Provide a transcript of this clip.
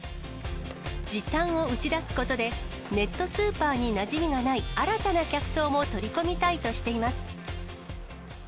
時短を打ち出すことで、ネットスーパーになじみのない新たな客層も取り込みたいとしています。